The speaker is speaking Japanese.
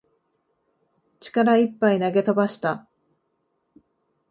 力いっぱい投げ飛ばした